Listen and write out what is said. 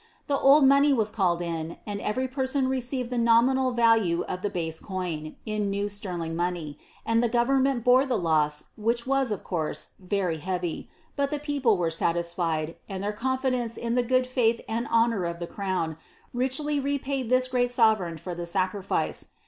The old money was called in, and every person rpceived the nominal value of the base coin, in new sterling money, and the government bore the loss, which was, of course, very heavy, but the people were satisfied, and their confidence in the good faith and honour of die crown, richly repaid this great sovereign for the sacrifice.